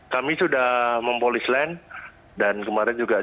kami sudah mempolis land dan kemarin juga